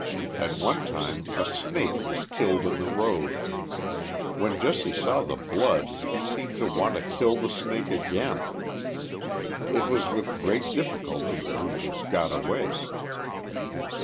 At one time a snake was killed in the road. When Jesse saw the blood he seemed to want to kill the snake again. It was with great difficulty that he was got away.